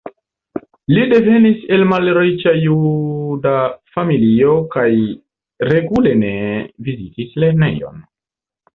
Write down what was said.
Li devenis el malriĉa juda familio kaj regule ne vizitis lernejon.